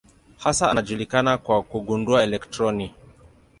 Hasa anajulikana kwa kugundua elektroni.